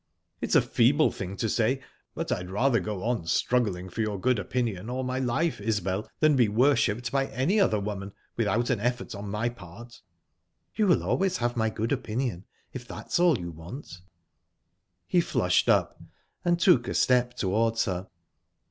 It's a feeble thing to say, but I'd rather go on struggling for your good opinion all my life, Isbel, than be worshipped by any other woman without an effort on my part." "You will always have my good opinion, if that's all you want." He flushed up, and took a step towards her.